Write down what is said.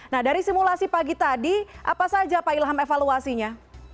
nah dari simulasi pagi tadi apa saja pak ilham evaluasinya